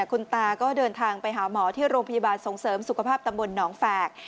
คุณตาก็เดินทางไปหาหมอที่โรงพยาบาลส่งเสริมสุขภาพตำบลหนองแฝก